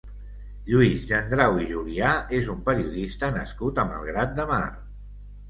Lluís Gendrau i Julià és un periodista nascut a Malgrat de Mar.